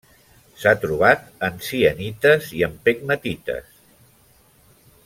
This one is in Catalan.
S'ha trobat en sienites i en pegmatites.